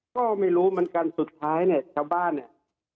ก็ไม่รู้เหมือนกันสุดท้ายเนี่ยชาวบ้านเนี่ย